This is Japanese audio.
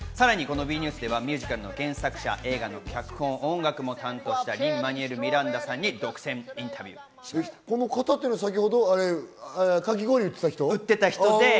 さらにＷＥニュースではミュージカルの原作者、映画の脚本を音楽も担当したリン・マニュエル・ミランダさんに独占インタビューで先ほどかき氷売ってた人？